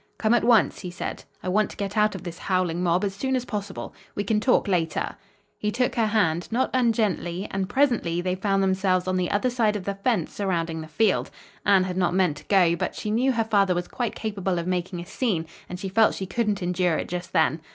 "Come at once!" he said. "I want to get out of this howling mob as soon as possible. We can talk later." He took her hand, not ungently, and presently they found themselves on the other side of the fence surrounding the field. Anne had not meant to go, but she knew her father was quite capable of making a scene and she felt she couldn't endure it just then.